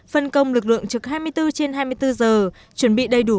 phân công lực lượng trực hai mươi bốn trên hai mươi bốn giờ chuẩn bị đầy đủ